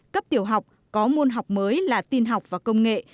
cấp tiểu học có môn học mới là tin học và công nghệ